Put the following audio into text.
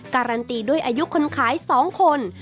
การันตีด้วยอายุคนขาย๒คน